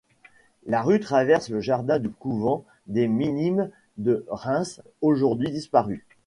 La rue traverse le jardin du couvent des Minimes de Reims aujourd'hui disparu.